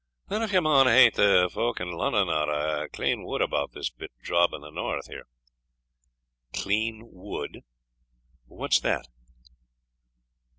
"Than, if ye maun hae't, the folk in Lunnun are a' clean wud about this bit job in the north here." "Clean wood! what's that?"